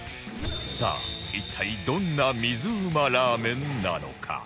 さあ一体どんな水うまラーメンなのか？